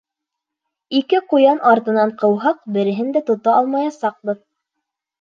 Ике ҡуян артынан ҡыуһаҡ, береһен дә тота алмаясаҡбыҙ!